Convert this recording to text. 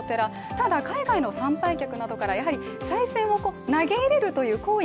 ただ海外の参拝客などから、やはりさい銭を投げ入れるという行為